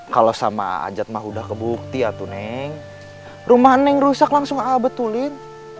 kalau sama aja mah udah kebukti ya tuh neng rumah neng rusak langsung abet tulin